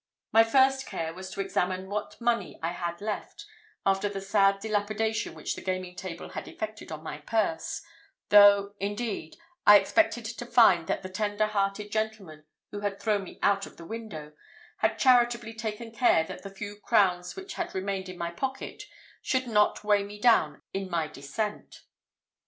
My first care was to examine what money I had left after the sad dilapidation which the gaming table had effected on my purse, though, indeed, I expected to find that the tender hearted gentleman who had thrown me out of the window had charitably taken care that the few crowns which had remained in my pocket should not weigh me down in my descent.